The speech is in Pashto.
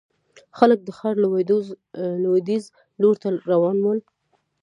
خلک د ښار لوېديځ لور ته روان ول.